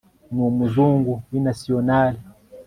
n umuzungu w iNationale